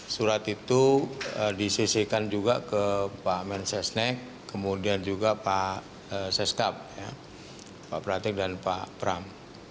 surat itu disesikan juga ke pak mensesnek kemudian juga pak seskap pak pratik dan pak pram